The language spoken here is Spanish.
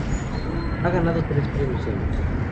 Ha ganado tres Premios Emmy.